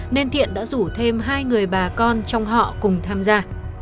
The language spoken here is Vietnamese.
nên thiện đã rủ thêm hai người bà con trong họ cùng tham gia